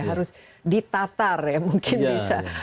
harus ditatar ya mungkin bisa